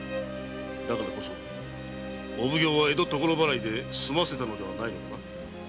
だからこそお奉行は江戸所払いですませたのではないのかな？